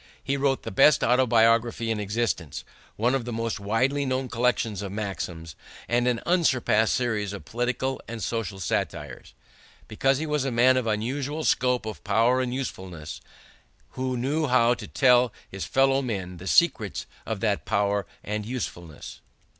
He wrote the best autobiography in existence, one of the most widely known collections of maxims, and an unsurpassed series of political and social satires, because he was a man of unusual scope of power and usefulness, who knew how to tell his fellow men the secrets of that power and that usefulness.